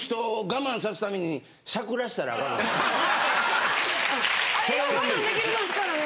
あれは我慢できますからね。